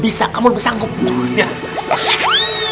kenapa kamu lebih bisa kamu sanggup